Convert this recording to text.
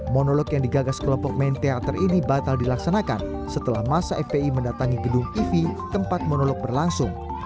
monolog yang digagas kelompok main teater ini batal dilaksanakan setelah masa fpi mendatangi gedung ivi tempat monolog berlangsung